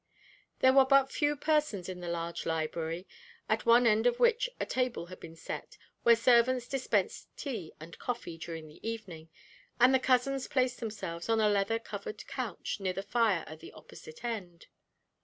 There were but few persons in the large library, at one end of which a table had been set out, where servants dispensed tea and coffee during the evening, and the cousins placed themselves on a leather covered couch near the fire at the opposite end.